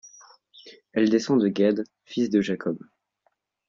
Elle descend de Gad, fils de Jacob.